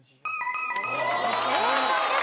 正解です。